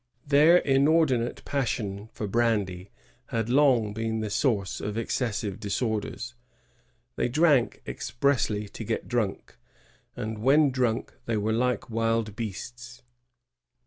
Their inordinate passion for brandy had long been the source of excessive disorders. They drank expressly to get drunk, and when drunk they were like wild beasts.